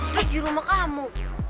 raja rumah kamu